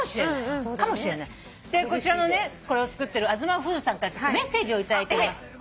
でこれを作ってるあづまフーズさんからメッセージを頂いております。